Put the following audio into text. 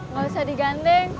tidak usah diganteng